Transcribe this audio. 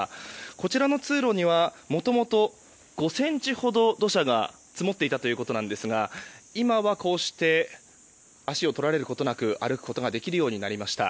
こちらの通路にはもともと５ｃｍほど土砂が積もっていたということですが今は、こうして足を取られることなく歩くことができるようになりました。